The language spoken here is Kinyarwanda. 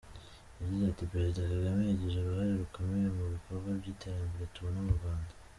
Yagize ati “Perezida Kagame yagize uruhare rukomeye mu bikorwa by’iterambere tubona mu Rwanda.”